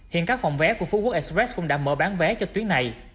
hiện các phòng vé của phú quốc express cũng đã mở bán vé cho tuyến này